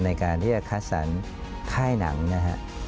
ในการที่จะคัดสรรค่ายหนังนะฮะ